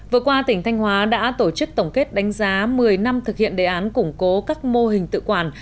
vừa qua tỉnh thanh hóa đã tổ chức tổng kết đánh giá một mươi năm thực hiện đề án củng cố các mô hình tự quản